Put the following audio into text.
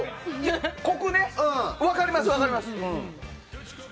コクね、分かります。